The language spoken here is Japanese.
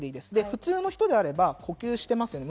普通の人であれば呼吸してますよね。